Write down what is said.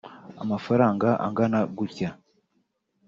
amafaranga angana gutya